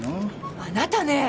あなたね！